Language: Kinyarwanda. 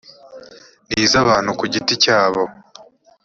n iz abantu ku giti cyabo